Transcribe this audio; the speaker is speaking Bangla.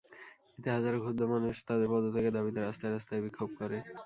এতে হাজারো ক্ষুব্ধ মানুষ তাঁর পদত্যাগের দাবিতে রাস্তায় রাস্তায় বিক্ষোভ করে।